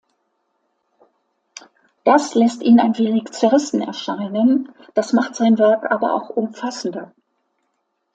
Das lässt ihn ein wenig zerrissen erscheinen, das macht sein Werk aber auch umfassender.